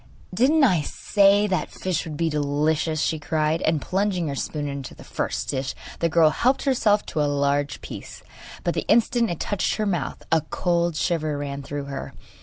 'Didn't I say that fish would be delicious?' she cried; and plunging her spoon into the dish the girl helped herself to a large piece. But the instant it touched her mouth a cold shiver ran through her.